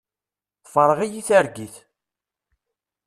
Tefreɣ-iyi targit.